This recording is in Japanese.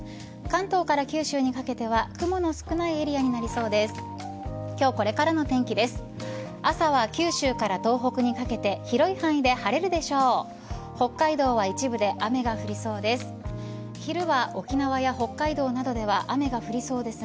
関東から九州にかけては雲の少ないエリアとなりそうです。